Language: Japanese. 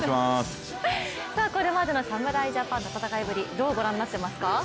これまでの侍ジャパンの戦いぶりどうご覧になっていますか。